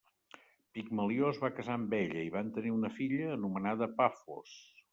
Pigmalió es va casar amb ella i van tenir una filla, anomenada Pafos.